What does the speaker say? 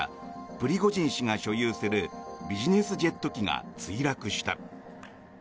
プリゴジン氏が所有するビジネスジェット機が墜落した。